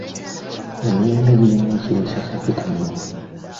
Emiyembe girina ekiriisa kya vitamiini.